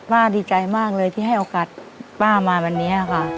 ดีใจมากเลยที่ให้โอกาสป้ามาวันนี้ค่ะ